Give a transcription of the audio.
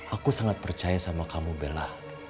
aku sangat percaya sama kamu bella